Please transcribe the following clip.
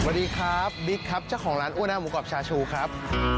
สวัสดีครับบิ๊กครับเจ้าของร้านอ้วหน้าหมูกรอบชาชูครับ